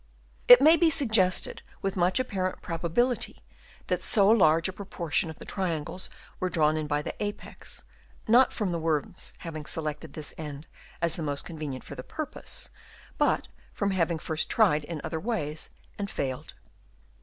It may be suggested with much apparent probability that so large a proportion of the triangles were drawn in by the apex, not from the worms having selected this end as the most convenient for the purpose, but from having first tried in other ways and failed.